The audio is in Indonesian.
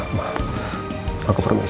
setelah pada waktu yang eigen